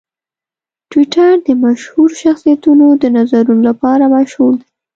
ټویټر د مشهورو شخصیتونو د نظرونو لپاره مشهور دی.